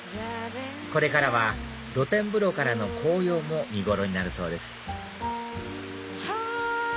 これからは露天風呂からの紅葉も見頃になるそうです